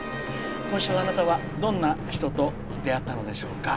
今週、あなたはどんな人と出会ったのでしょうか。